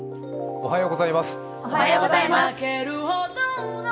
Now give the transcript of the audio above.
おはようございます。